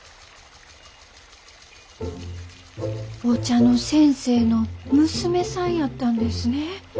お茶の先生の娘さんやったんですね。